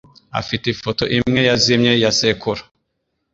afite ifoto imwe yazimye ya sekuru.